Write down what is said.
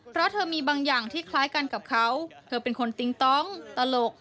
เพราะเธอมีบางอย่างที่คล้ายกันกับเขาเธอเป็นคนติ๊งต้องตลก